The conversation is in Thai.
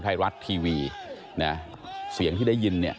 หยุดหยุดหยุด